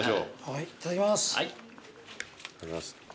いただきます。